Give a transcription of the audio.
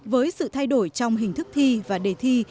với sự thay đổi trong hình thức thi và đề thi